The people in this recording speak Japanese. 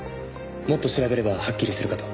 もっと調べればはっきりするかと。